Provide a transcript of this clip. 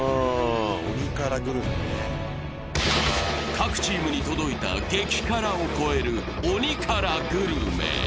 各チームに届いた激辛を超える鬼辛グルメ。